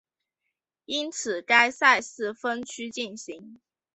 因此该赛事分区进行。